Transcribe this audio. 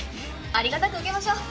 ありがたく受けましょう！